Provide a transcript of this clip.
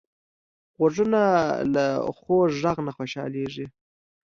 غوږونه له خوږ غږ نه خوشحالېږي